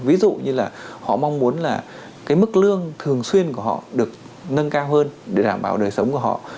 ví dụ như là họ mong muốn là cái mức lương thường xuyên của họ được nâng cao hơn để đảm bảo đời sống của họ